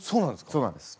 そうなんです。